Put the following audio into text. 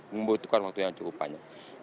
membutuhkan waktu yang cukup panjang